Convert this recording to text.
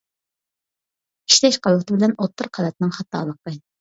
ئىشلەش قەۋىتى بىلەن ئوتتۇرا قەۋەتنىڭ خاتالىقى.